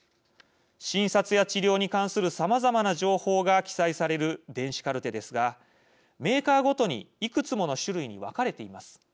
診察や治療に関するさまざまな情報が記載される電子カルテですがメーカーごとにいくつもの種類に分かれています。